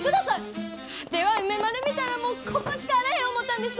ワテは梅丸見たらもうここしかあらへん思たんです！